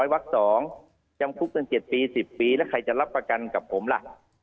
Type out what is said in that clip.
วัก๒จำคุกตั้ง๗ปี๑๐ปีแล้วใครจะรับประกันกับผมล่ะ